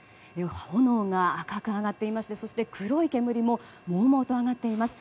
炎が赤く上がっていましてそして黒い煙ももうもうと上がっています。